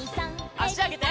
あしあげて。